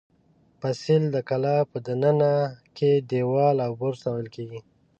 فصیل د کلا په دننه کې دېوال او برج ته ویل کېږي.